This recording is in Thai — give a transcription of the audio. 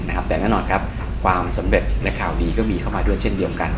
แต่แน่นอนครับความสำเร็จและข่าวดีก็มีเข้ามาด้วยเช่นเดียวกัน